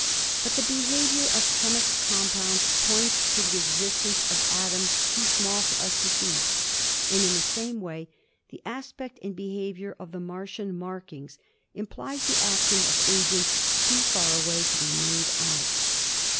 But the behavior of chemic compounds points to the existence of atoms too small for us to see, and in the same way the aspect and behavior of the Martian markings implies the action of agents too far away to be made out.